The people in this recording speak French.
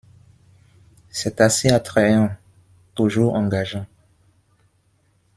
C'est assez attrayant, toujours engageant.